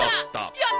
やった！